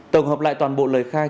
tổng hợp lại toàn bộ lời khai